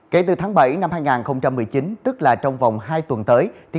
kể từ tháng bảy năm hai nghìn một mươi chín tức là trong vòng hai tuần tới